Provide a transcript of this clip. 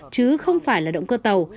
chứ không phải là động cơ tàu